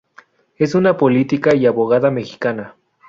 Es una política y abogada mexicana.